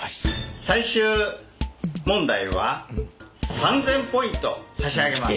最終問題は３，０００ポイント差し上げます！